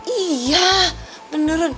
iya beneran deh